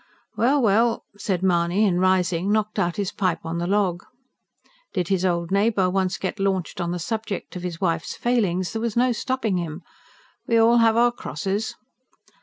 "Well, well!" said Mahony, and rising knocked out his pipe on the log. Did his old neighbour once get launched on the subject of his wife's failings, there was no stopping him. "We all have our crosses."